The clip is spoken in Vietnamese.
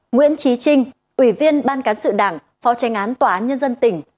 nguyễn trí trinh ủy viên ban cán sự đảng phó tranh án tòa án nhân dân tỉnh